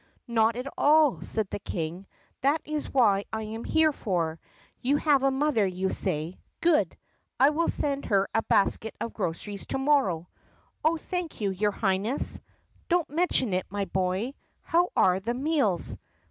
"Not at all," said the King, "that is what I am here for. You have a mother, you say. Good. I will send her a basket of groceries to morrow." "Oh, thank you, your Highness." "Don't mention it, my boy. How are the meals?"